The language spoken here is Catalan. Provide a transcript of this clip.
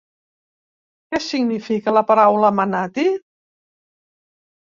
Què significa la paraula manatí?